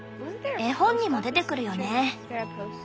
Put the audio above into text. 絵本にも出てくるよね？